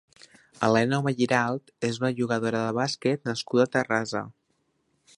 Helena Oma Giralt és una jugadora de basquet nascuda a Terrassa.